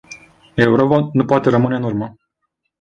Europa nu poate rămâne în urmă.